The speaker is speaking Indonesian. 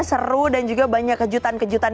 seru dan juga banyak kejutan kejutan